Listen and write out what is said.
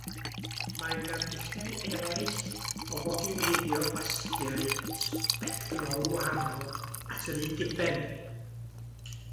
Mae gan ddulliau eraill o fodiwleiddio fasgiau sbectrol gwahanol at yr un diben.